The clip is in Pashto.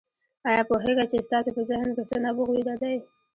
آيا پوهېږئ چې ستاسې په ذهن کې څه نبوغ ويده دی؟